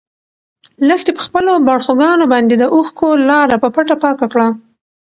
لښتې په خپلو باړخوګانو باندې د اوښکو لاره په پټه پاکه کړه.